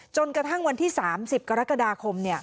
จนกระทั่งวันที่๓๐กรกฎาคม